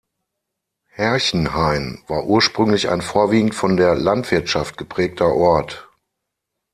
Herchenhain war ursprünglich ein vorwiegend von der Landwirtschaft geprägter Ort.